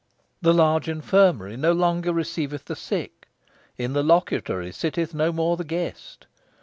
The large infirmary no longer receiveth the sick; in the locutory sitteth no more the guest.